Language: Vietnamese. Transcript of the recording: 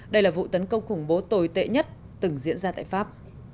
đây là vụ tấn công khủng bố tồi tệ nhất từng diễn ra tại pháp